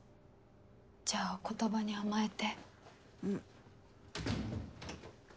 じゃあお言葉に甘えて。